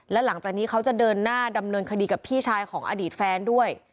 และหลังจากนี้เขาจะเดินหน้าดำเนินคดีกับพี่ชายของอดีตแฟนด้วย